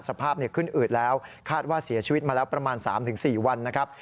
สภาพขึ้นอืดแล้วคาดว่าเสียชีวิตมาแล้วประมาณ๓๔วันนะครับ